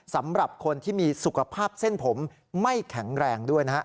สำหรับคนที่มีสุขภาพเส้นผมไม่แข็งแรงด้วยนะฮะ